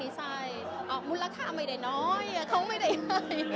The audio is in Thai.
ได้เจอล่าสุดก็คือที่ยิ่มประมาณเดือน๒เดือนที่แล้วค่ะ